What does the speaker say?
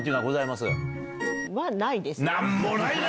何もないな！